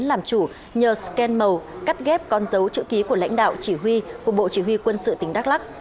làm chủ nhờ scan màu cắt ghép con dấu chữ ký của lãnh đạo chỉ huy của bộ chỉ huy quân sự tỉnh đắk lắc